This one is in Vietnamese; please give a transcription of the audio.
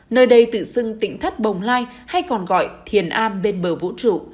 nơi đây tự xưng tỉnh thất bồng lai hay còn gọi thiền an bên bờ vũ trụ